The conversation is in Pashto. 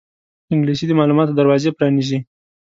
انګلیسي د معلوماتو دروازې پرانیزي